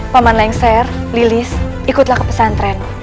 paman lengser lilis ikutlah ke pesantren